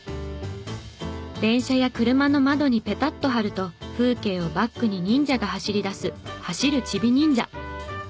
電車や車の窓にペタッと貼ると風景をバックに忍者が走り出す「走る！ちび忍者」。